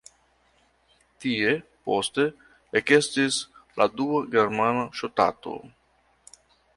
Tie poste ekestis la dua germana ŝtato.